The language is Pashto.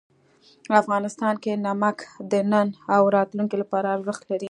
افغانستان کې نمک د نن او راتلونکي لپاره ارزښت لري.